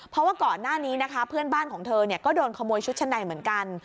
เพราะว่าก่อนหน้านี้นะคะเพื่อนบ้านของเธอก็โดนขโมยชุดชั้นในเหมือนกัน